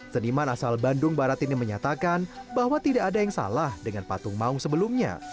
seniman asal bandung barat ini menyatakan bahwa tidak ada yang salah dengan patung maung sebelumnya